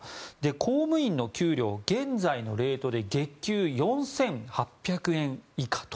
公務員の給料、現在のレートで月給４８００円以下と。